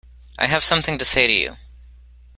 I have something to say to you.